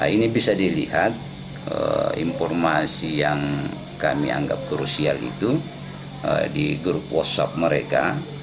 ini bisa dilihat informasi yang kami anggap krusial itu di grup whatsapp mereka